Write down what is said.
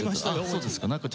そうですか。